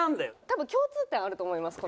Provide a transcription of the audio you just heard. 多分共通点あると思います